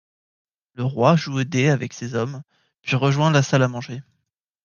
Le roi joue aux dés avec ses hommes, puis rejoint la salle à manger.